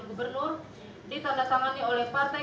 gubernur ditandatangani oleh partai